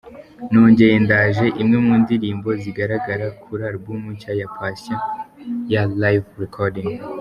Nongeye Ndaje, imwe mu ndirimbo zizagaragara kuri album nshya ya Patient ya ’Live Recording’.